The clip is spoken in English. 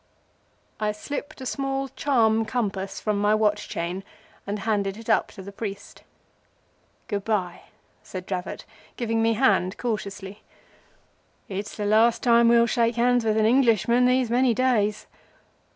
I slipped a small charm compass from my watch chain and handed it up to the priest. "Good by," said Dravot, giving me his hand cautiously. "It's the last time we'll shake hands with an Englishman these many days.